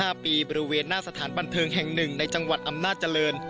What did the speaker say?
ปีบริเวณหน้าสถานบันเทิงแห่งหนึ่งในจังหวัดอำนาจเจริญ